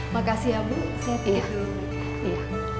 makasih ya bu saya pihat dulu